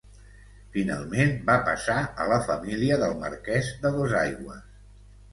Finalment va passar a la família del Marquès de Dosaigües.